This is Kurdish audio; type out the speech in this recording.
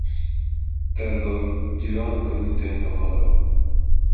Der dor, cîran û gundî tên hewara wan